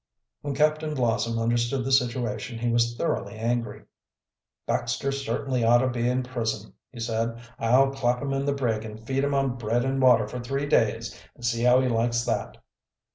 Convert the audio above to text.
When Captain Blossom understood the situation he was thoroughly angry. "Baxter certainly ought to be in prison," he said. "I'll clap him in the brig and feed him on bread and water for three days and see how he likes that."